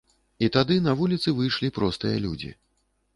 І тады на вуліцы выйшлі простыя людзі.